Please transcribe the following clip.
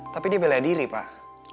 tapi dia bela diri pak